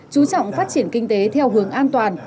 chú trọng phát triển kinh tế theo hướng an toàn